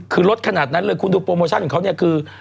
คือลดขนาดนั้นเลยคุณดูโปรโมชั่นของเขาเนี่ยคือ